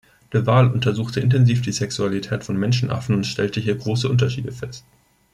De Waal untersuchte intensiv die Sexualität von Menschenaffen und stellte hier große Unterschiede fest.